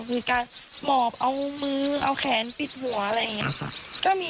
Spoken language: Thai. มีการหมอบเอามือเอาแขนปิดหัวอะไรอย่างนี้ค่ะ